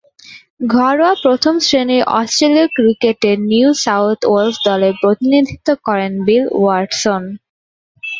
ঘরোয়া প্রথম-শ্রেণীর অস্ট্রেলীয় ক্রিকেটে নিউ সাউথ ওয়েলস দলের প্রতিনিধিত্ব করেন বিল ওয়াটসন।